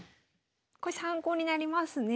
これ参考になりますね。